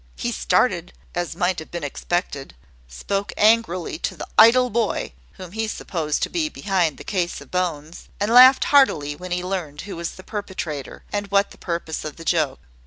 He started, as might have been expected, spoke angrily to the "idle boy" whom he supposed to be behind the case of bones, and laughed heartily when he learned who was the perpetrator, and what the purpose of the joke.